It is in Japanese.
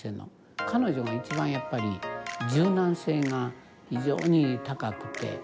彼女が一番やっぱり柔軟性が非常に高くて。